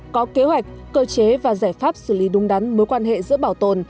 có kế hoạch cơ chế và giải pháp xử lý đúng đắn mối quan hệ giữa bảo tồn